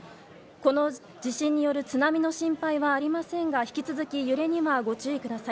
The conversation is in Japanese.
この地震による津波の心配はありませんが引き続き揺れにはご注意ください。